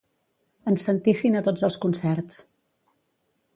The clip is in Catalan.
Ens sentissin a tots els concerts.